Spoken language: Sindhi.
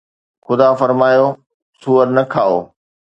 خدا فرمايو سوئر نه کائو